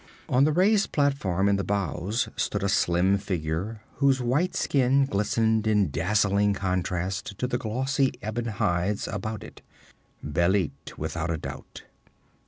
On the raised platform in the bows stood a slim figure whose white skin glistened in dazzling contrast to the glossy ebon hides about it. Bêlit, without a doubt.